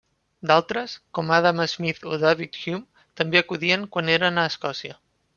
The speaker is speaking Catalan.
D'altres, com Adam Smith o David Hume, també acudien quan eren a Escòcia.